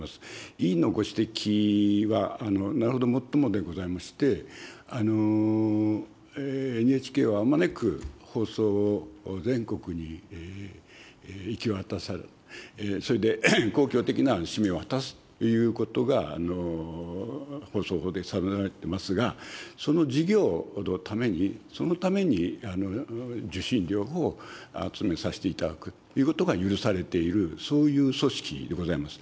委員のご指摘は、なるほどもっともでございまして、ＮＨＫはあまねく放送を全国に行き渡らせる、それで公共的な使命を果たすということが、放送法で定められてますが、その事業のために、そのために受信料を集めさせていただくということが許されている、そういう組織でございます。